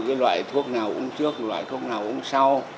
ví dụ loại thuốc nào uống trước loại thuốc nào uống sau